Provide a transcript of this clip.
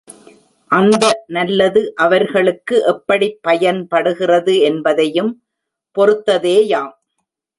அந்த நல்லது அவர்களுக்கு எப்படிப் பயன்படுகிறது என்பதையும் பொறுத்ததே யாம்.